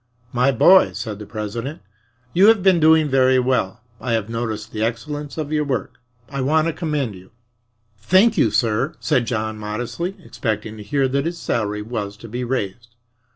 "My boy," said the president, "you have been doing very well. I have noticed the excellence of your work. I want to commend you." "Thank you, sir," said John modestly, expecting to hear that his salary was to be raised.